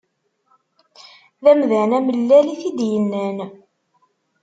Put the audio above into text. D amdan amellal i t-id-yennan.